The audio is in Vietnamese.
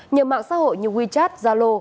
nhờ mạng xã hội như wechat zalo